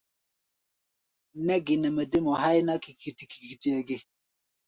Nɛ́ ge nɛ mɛ dé mɔ háí ná kikiti-kikitiʼɛ ge?